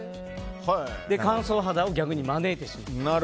乾燥肌を逆に招いてしまうと。